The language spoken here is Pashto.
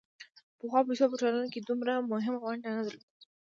پخوا پیسو په ټولنه کې دومره مهمه ونډه نه درلوده